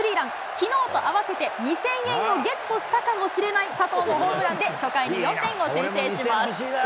きのうと合わせて２０００円をゲットしたかもしれない佐藤のホームランで、初回に４点を先制します。